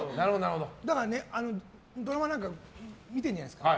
だから、ドラマなんか見てるじゃないですか。